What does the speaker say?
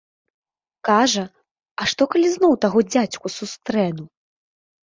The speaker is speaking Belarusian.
Кажа, а што, калі зноў таго дзядзьку сустрэну?